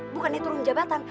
bukannya turun jabatan